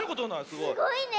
すごいね。